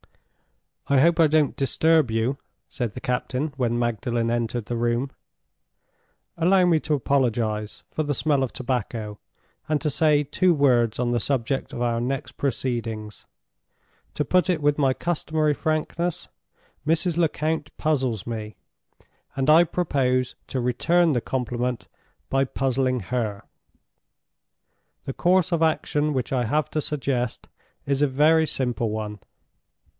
"I hope I don't disturb you," said the captain, when Magdalen entered the room. "Allow me to apologize for the smell of tobacco, and to say two words on the subject of our next proceedings. To put it with my customary frankness, Mrs. Lecount puzzles me, and I propose to return the compliment by puzzling her. The course of action which I have to suggest is a very simple one.